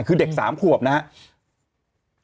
คือเด็ก๓ควบนะฮะ